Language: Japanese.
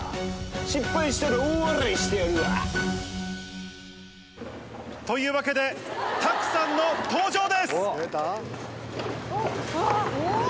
失敗したら大笑いしてやるわ。というわけで、拓さんの登場です。